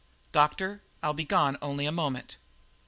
Doctor, I'll be gone only a moment."